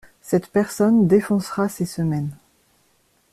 Cette personne défoncera ces semaines.